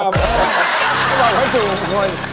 ก็บอกวัตถุโมงคล